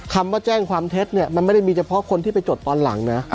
คำว่าแจ้งความเท็จเนี่ยมันไม่ได้มีเฉพาะคนที่ไปจดตอนหลังนะ